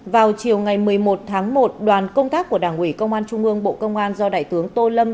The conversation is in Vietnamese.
vào chiều ngày một mươi một tháng một đoàn công tác của đảng ủy công an trung ương bộ công an do đại tướng tô lâm